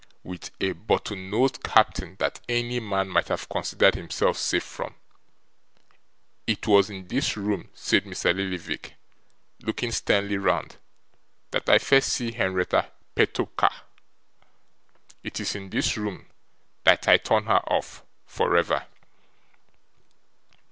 With a bottle nosed captain that any man might have considered himself safe from. It was in this room,' said Mr. Lillyvick, looking sternly round, 'that I first see Henrietta Petowker. It is in this room that I turn her off, for ever.